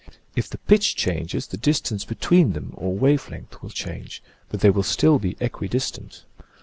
If the pitch changes the distance between them (or wave length) will change, but they will still be equi distant.